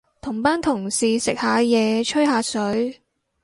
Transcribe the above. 同班同事食下嘢，吹下水